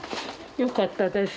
よかったです。